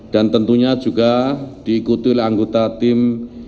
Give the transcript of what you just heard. dan tentunya juga diikuti oleh anggota tim